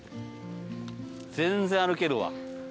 全然歩けるわ。